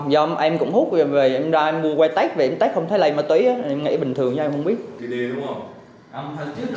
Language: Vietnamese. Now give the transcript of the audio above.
do em cũng hút về em ra em mua quay text em text không thấy lấy ma túy em nghĩ bình thường em không biết